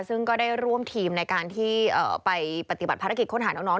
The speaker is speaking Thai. ซึ่งก็ได้ร่วมทีมในการที่ไปปฏิบัติภารกิจค้นหาน้อง